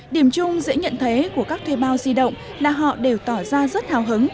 điểm chung dễ nhận thấy của các thuê bao di động là họ đều tỏ ra rất hào hứng